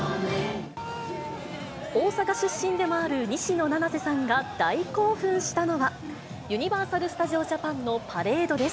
大阪出身でもある西野七瀬さんが大興奮したのは、ユニバーサル・スタジオ・ジャパンのパレードです。